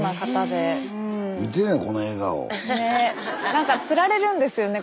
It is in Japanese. なんかつられるんですよね